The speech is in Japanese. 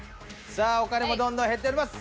さあお金もどんどん減っております。